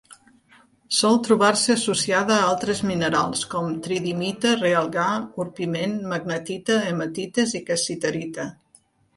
Sol trobar-se associada a altres minerals com: tridimita, realgar, orpiment, magnetita, hematites i cassiterita.